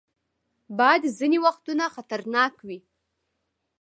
باد ځینې وختونه خطرناک وي